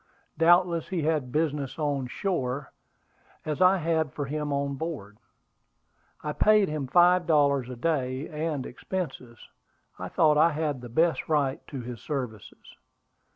Doubtless he had business on shore, as I had for him on board. I paid him five dollars a day and expenses; and I thought I had the best right to his services.